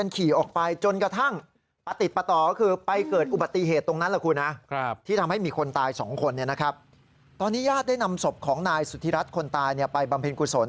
ของอุธิญาตได้นำศพของนายสุทธิรัชคนตายไปบำเพ็ญกุศล